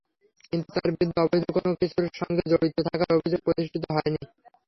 কিন্তু তাঁর বিরুদ্ধে অবৈধ কোনো কিছুর সঙ্গে জড়িত থাকার অভিযোগ প্রতিষ্ঠিত হয়নি।